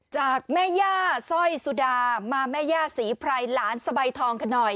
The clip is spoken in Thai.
จากแม่ย่าสร้อยสุดามาแม่ย่าศรีไพรหลานสะใบทองกันหน่อย